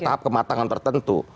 tahap kematangan tertentu